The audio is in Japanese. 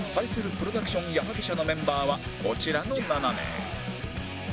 プロダクション矢作舎のメンバーはこちらの７名